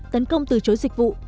tấn công từ chối dịch vụ